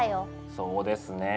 そうですね。